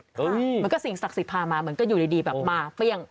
เหมือนกับสิ่งศักดิ์สิทธิ์พามาเหมือนก็อยู่ดีแบบมาเปรี้ยง